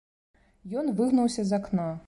Ён выгнуўся з акна.